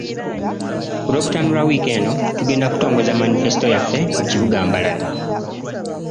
Ku Lwokutaano lwa wiiki eno, tugenda kutongoza manifesito yaffe mu kibuga Mbarara.